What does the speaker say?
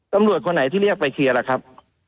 ตำรวจคนไหนที่เรียกไปเคลียร์ล่ะครับ